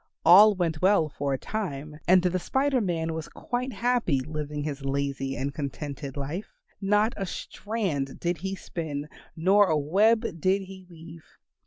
All went well for a time and the Spider Man was quite happy living his lazy and contented life. Not a strand did he spin, nor a web did he weave.